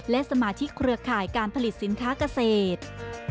และสมาชิกเครือข่ายการผลิตสินค้าเกษตร